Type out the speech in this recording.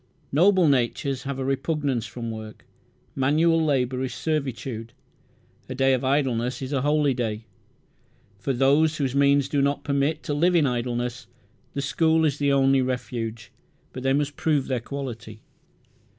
Noble natures have a repugnance from work. Manual labour is servitude. A day of idleness is a holy day. For those whose means do not permit to live in idleness the school is the only refuge; but they must prove their quality.